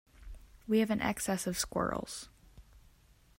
We have an excess of squirrels.